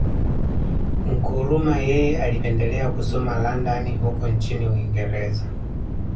Nkrumah yeye alipendelea kusoma London huko nchini Uingereza